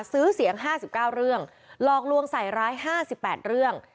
ซื้อเสียง๕๙เรื่องหลอกลวงใส่ร้าย๕๘เรื่อง